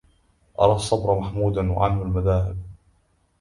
أرى الصبر محمودا وعنه مذاهب